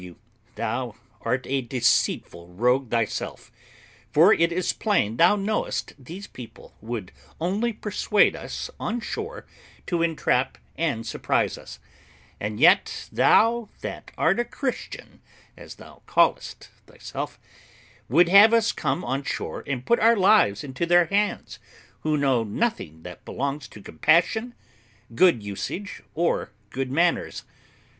W. Thou art a deceitful rogue thyself, for it is plain thou knowest these people would only persuade us on shore to entrap and surprise us; and yet thou that art a Christian, as thou callest thyself, would have us come on shore and put our lives into their hands who know nothing that belongs to compassion, good usage, or good manners.